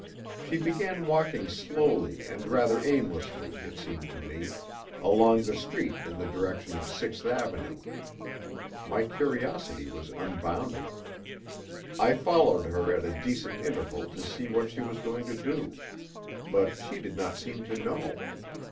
She began walking slowly and rather aimlessly, it seemed to me, along the street in the direction of Sixth Avenue. My curiosity was unbounded. I followed her at a decent interval to see what she was going to do. But she did not seem to know.